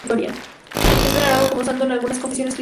Es venerado como santo en algunas confesiones cristianas.